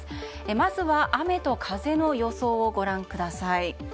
まずは雨と風の予想をご覧ください。